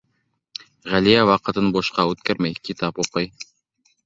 Ғәлиә ваҡытын бушҡа үткәрмәй, китап уҡый.